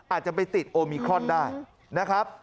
อาจจะไปติดโอมิครอนได้นะครับ